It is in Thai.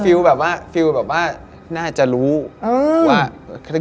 แบบว่าฟิลแบบว่าน่าจะรู้ว่า